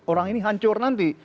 orang ini hancur nanti